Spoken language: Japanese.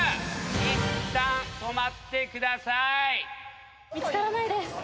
いったん止まってください。